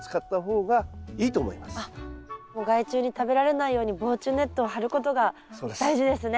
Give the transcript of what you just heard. もう害虫に食べられないように防虫ネットを張ることが大事ですね。